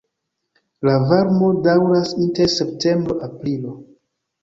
La varmo daŭras inter septembro-aprilo.